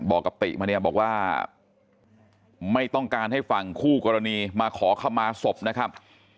บอกกับติมาเนี่ยบอกว่าไม่ต้องการให้ฝั่งคู่กรณีมาขอขมาศพนะครับ